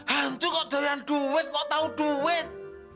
hantu kok doyan duit kok tau duit